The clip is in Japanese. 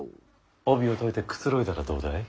帯を解いてくつろいだらどうだい？